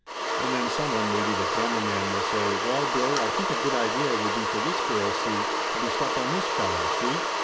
And then someone, maybe the camera man will say well Bill I think a good idea would be for this girl, see, to be stuck on this feller, see?